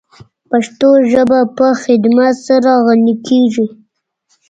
پښتو ژبه په خدمت سره غَنِی کیږی.